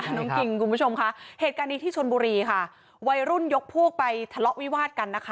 น้องคิงคุณผู้ชมค่ะเหตุการณ์นี้ที่ชนบุรีค่ะวัยรุ่นยกพวกไปทะเลาะวิวาดกันนะคะ